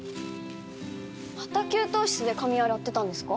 また給湯室で髪洗ってたんですか？